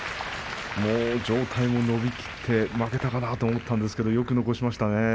上体も伸びきって負けたかなと思ったんですけどよく残しましたね。